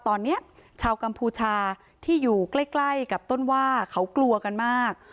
ตอนนี้ชาวกัมพูชาที่อยู่ใกล้กับต้นว่าเขากลัวกันมาก